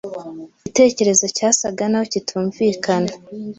Igitekerezo cyasaga naho kitumvikana.